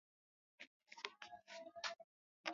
Ni hotuba iliyosomwa kwa niaba yake na Balozi Seif Ali Iddi